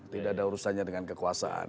tidak ada urusannya dengan kekuasaan